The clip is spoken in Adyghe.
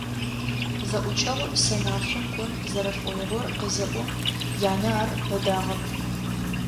Зэӏукӏэгъу сэнашъом кӏон зэрэшӏоигъор къызеӏом, янэ ар ыдэгъэп.